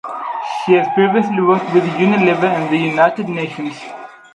She has previously worked with Unilever and the United Nations.